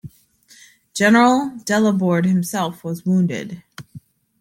General Delaborde himself was wounded.